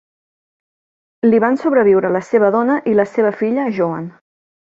Li van sobreviure la seva dona i la seva filla Joan.